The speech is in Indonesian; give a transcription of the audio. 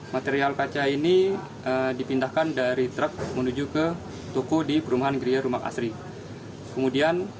material kaca ini dipindahkan dari truk menuju ke toko di perumahan gria rumah kasri kemudian